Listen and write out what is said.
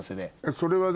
それは何？